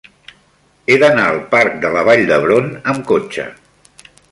He d'anar al parc de la Vall d'Hebron amb cotxe.